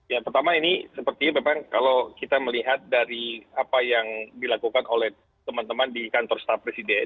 ya pertama ini sepertinya memang kalau kita melihat dari apa yang dilakukan oleh teman teman di kantor staf presiden